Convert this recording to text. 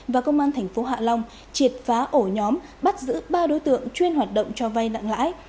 và công an tp hạ long triệt phá ổ nhóm bắt giữ ba đối tượng chuyên hoạt động cho vay nặng lãi